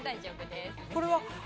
これは。